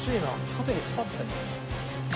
縦にスパッと入る。